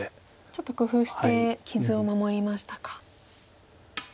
ちょっと工夫して傷を守りましたか。